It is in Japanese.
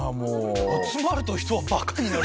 「集まると人はバカになる」！